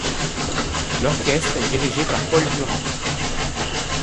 L'orchestre est dirigé par Paul Durand.